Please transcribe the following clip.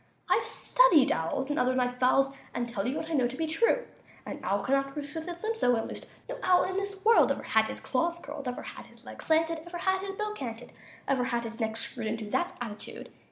"I've studied owls, And other night fowls, And I tell you What I know to be true; An owl can not roost With his limbs so unloosed; No owl in this world Ever had his claws curled, Ever had his legs slanted, Ever had his bill canted, Ever had his neck screwed Into that attitude.